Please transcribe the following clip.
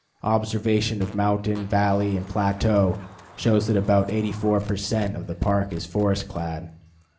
Observation of mountain, valley, and plateau shows that about 84 per cent. of the Park is forest clad.